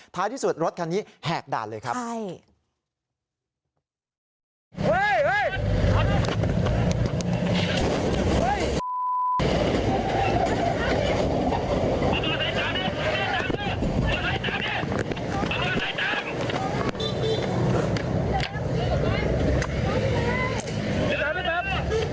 ท้ายที่สุดรถคันนี้แหกด่านเลยครับ